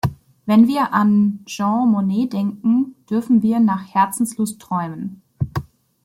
Wenn wir an Jean Monnet denken, dürfen wir nach Herzenslust träumen.